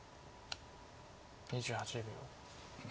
２８秒。